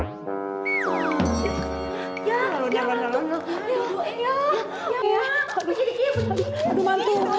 ya ye jangan emak bisa glue